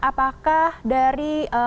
apakah dari rumah